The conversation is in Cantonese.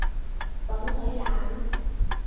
滾水蛋